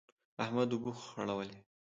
احمد اوبه خړولې.